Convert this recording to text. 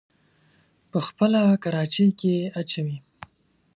په خپله کراچۍ کې يې اچوي.